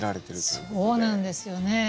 そうなんですよね。